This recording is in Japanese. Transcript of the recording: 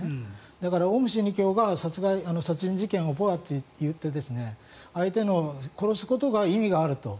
だからオウム真理教が殺人事件をポアっていって相手を殺すことが意味があると。